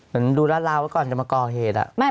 ดูราดราวไว้ก่อนจะมาก่อเหตุ